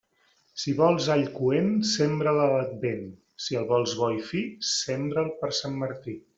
Si vols all coent, sembra'l a l'Advent; si el vols bo i fi, sembra'l per Sant Martí.